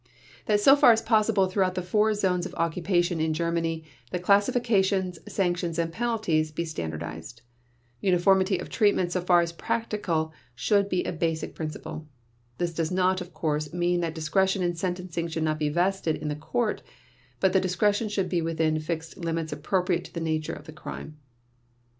That so far as possible throughout the four zones of occupation in Germany the classifications, sanctions, and penalties be standardized. Uniformity of treatment so far as practical should be a basic principle. This does not, of course, mean that discretion in sentencing should not be vested in the court; but the discretion should be within fixed limits appropriate to the nature of the crime.